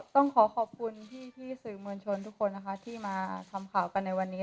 ต้องขอขอบคุณพี่สื่อมวลชนทุกคนนะคะที่มาทำข่าวกันในวันนี้